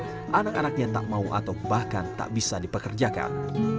karena anaknya tak mau atau bahkan tak bisa dipekerjakan